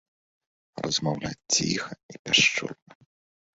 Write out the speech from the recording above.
Размаўляюць ціха і пяшчотна.